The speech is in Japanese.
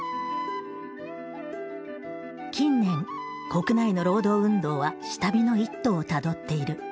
近年国内の労働運動は下火の一途をたどっている。